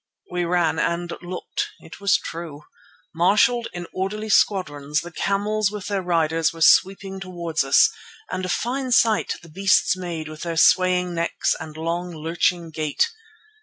We ran and looked. It was true. Marshalled in orderly squadrons, the camels with their riders were sweeping towards us, and a fine sight the beasts made with their swaying necks and long, lurching gait.